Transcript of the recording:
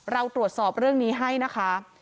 เราตรวจสอบเรื่องนี้ให้นะคะ